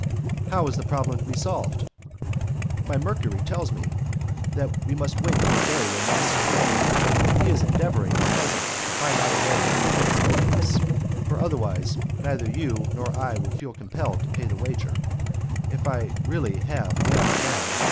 "How is the problem to be solved?" "My Mercury tells me that we must wait for a day when masks are worn. He is endeavouring at present to find out a way to convince both of us; for otherwise neither you nor I would feel compelled to pay the wager, and if I really have M. M.